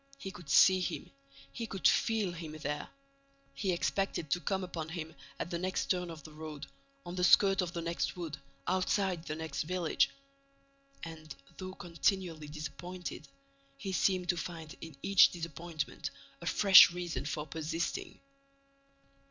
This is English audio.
He could see him, he could feel him there. He expected to come upon him at the next turn of the road, on the skirt of the next wood, outside the next village. And, though continually disappointed, he seemed to find in each disappointment a fresh reason for persisting.